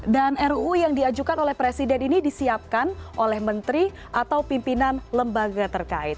dan ruu yang diajukan oleh presiden ini disiapkan oleh menteri atau pimpinan lembaga terkait